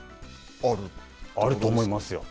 あると思いますよ。